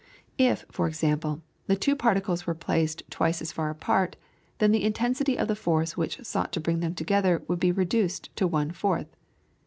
If, for example, the two particles were placed twice as far apart, then the intensity of the force which sought to bring them together would be reduced to one fourth.